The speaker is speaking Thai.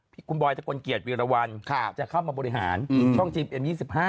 พี่คุณบอยทะกลเกียจวีรวรรณจะเข้ามาบริหารช่องจิมเอ็ม๒๕